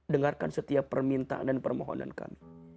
dengarkan setiap permintaan dan permohonan kami